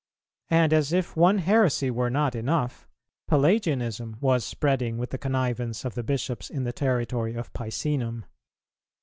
And as if one heresy were not enough, Pelagianism was spreading with the connivance of the Bishops in the territory of Picenum.